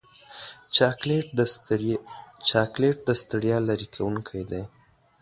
چاکلېټ د ستړیا لرې کوونکی دی.